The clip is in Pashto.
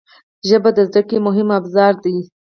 ژبه د زده کړې مهم ابزار دی